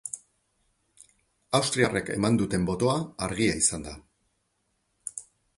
Austriarrek eman duten botoa argia izan da.